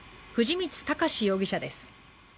藤光孝志容疑者です。